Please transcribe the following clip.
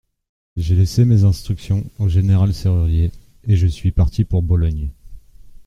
J'ai laissé mes instructions au général Serrurier, et je suis parti pour Bologne.